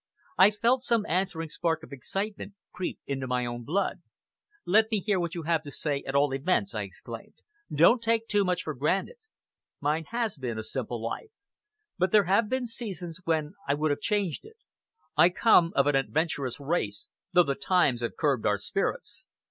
I felt some answering spark of excitement creep into my own blood. "Let me hear what you have to say, at all events!" I exclaimed. "Don't take too much for granted. Mine has been a simple life, but there have been seasons when I would have changed it. I come of an adventurous race, though the times have curbed our spirits.